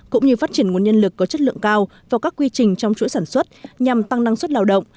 cũng như phát triển nguồn nhân lực có chất lượng cao vào các quy trình trong chuỗi sản xuất nhằm tăng năng suất lao động